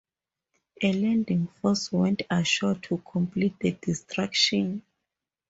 A landing force went ashore to complete the destruction.